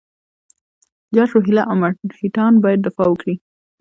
جاټ، روهیله او مرهټیان باید دفاع وکړي.